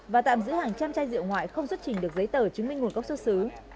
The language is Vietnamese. và tạm giữ hàng trăm chai rượu ngoại không xuất trình được giấy tờ chứng minh nguồn gốc xuất xứ